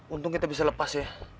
untung kita bisa lepas ya